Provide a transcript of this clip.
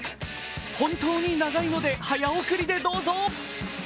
本当に長いので早送りでどうぞ。